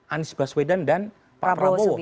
anies baswedan dan pak prabowo